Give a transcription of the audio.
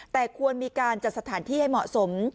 แต่ควรมีการจัดสถานที่ให้เหมาะสม